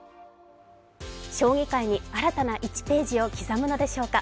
将棋界に新たな１ページを刻むのでしょうか。